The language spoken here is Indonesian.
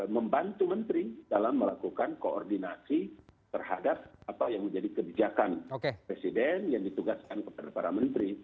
membantu menteri dalam melakukan koordinasi terhadap apa yang menjadi kebijakan presiden yang ditugaskan kepada para menteri